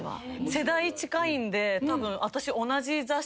世代近いんでたぶん私。